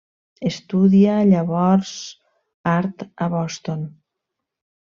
Estudia llavors art a Boston.